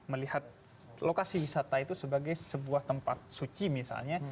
melihat lokasi wisata itu sebagai sebuah tempat suci misalnya